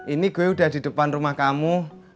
ini gue udah di depan rumah kamu